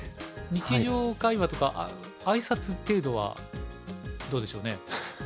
日常会話とか挨拶程度はどうでしょうね？